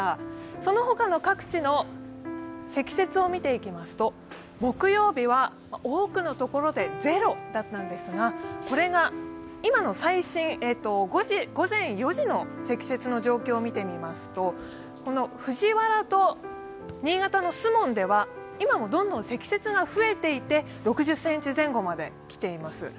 その他の各地の積雪を見ていきますと、木曜日は多くのところで０だったんですが、これが今の最新午前４時の積雪の状況を見てみますと、藤原と新潟の守門では今も積雪が増えていて６０ｃｍ前後まできています。